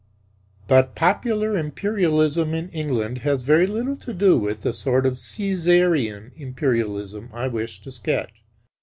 But popular Imperialism in England has very little to do with the sort of Caesarean Imperialism I wish to sketch.